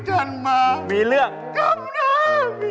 แฟนผมนี่ครับนะ